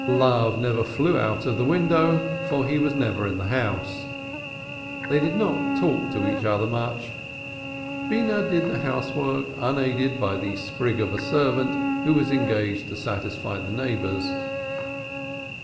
Love never flew out of the window for he was never in the house. They did not talk to each other much. Beenah did the housework unaided by the sprig of a servant who was engaged to satisfy the neighbors.